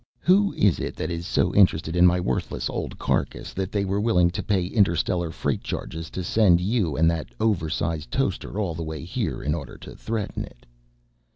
Who is it that is so interested in my worthless old carcass that they were willing to pay interstellar freight charges to send you and that oversize toaster all the way here in order to threaten it?"